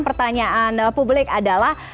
pertanyaan publik adalah